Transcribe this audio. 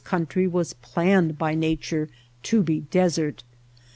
eountry was planned by Nature to be desert.